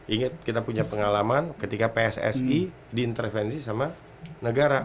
ingat kita punya pengalaman ketika pssi diintervensi sama negara